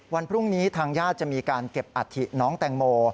วันพรุ่งนี้ทางญาติจะมีการเก็บอัฐิน้องแตงโม